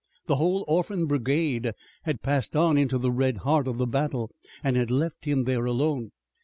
The whole Orphan Brigade had passed on into the red heart of the battle, and had left him there alone.